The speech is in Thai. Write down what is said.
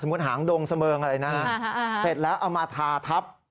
สมมุติหางดงเสมอเลยน่ะเสร็จแล้วเอามาทาทับ